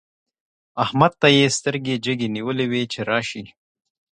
احمد ته يې سترګې جګې نيولې وې چې راشي.